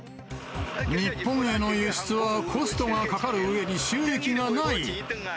日本への輸出はコストがかかるうえに、収益がない。